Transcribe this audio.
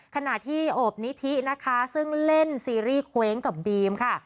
ขณะที่โอบนิธินะคะซึ่งเล่นซีรีส์เคว้งกับบีมค่ะ